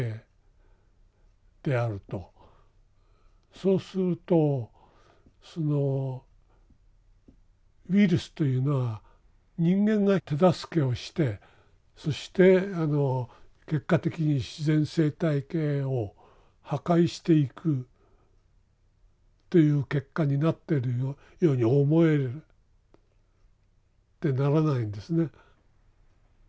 そうするとそのウイルスというのは人間が手助けをしてそしてあの結果的に自然生態系を破壊していくという結果になってるように思えてならないんですね。